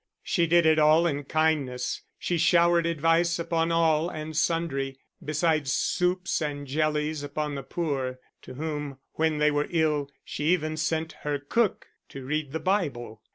She did it all in kindness she showered advice upon all and sundry, besides soups and jellies upon the poor, to whom when they were ill she even sent her cook to read the Bible.